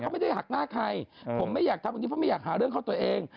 เขาไม่ได้หักหน้าใครผมไม่อยากทำตรงนี้เพราะไม่อยากหาเรื่องเข้าตัวเอง